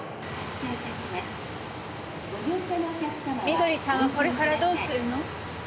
美登里さんはこれからどうするの？